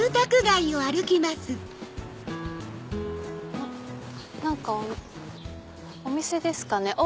あっ何かお店ですかね。